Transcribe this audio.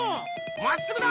まっすぐだ！